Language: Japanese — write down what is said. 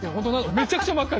めちゃくちゃ真っ赤。